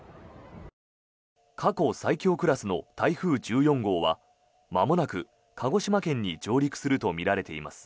過去最強クラスの台風１４号はまもなく鹿児島県に上陸するとみられています。